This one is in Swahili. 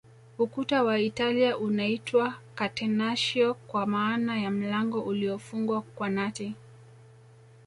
Ukuta wa Italia unaitwa Catenacio kwa maana ya mlango uliofungwa kwa nati